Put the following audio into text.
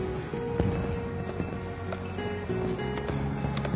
うん！